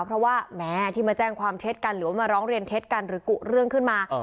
เพราะว่าแม้ที่มาแจ้งความเท็จกันหรือว่ามาร้องเรียนเท็จกันหรือกุเรื่องขึ้นมา